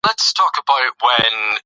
خلک د خپل ژوند وضعیت بدلولی سي.